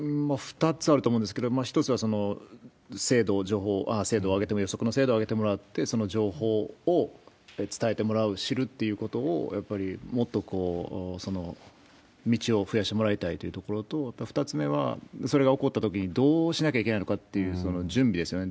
２つあると思うんですけれども、一つは精度を上げて、予測の精度を上げてもらって、その情報を伝えてもらう、知るっていうことを、やっぱりもっとその道を増やしてもらいたいというところと、やっぱ２つ目は、それが起こったときにどうしなきゃいけないのかっていう、その準備ですよね。